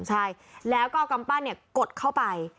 ใช่แล้วก็เอากัมปั้นเนี่ยกดเข้าไป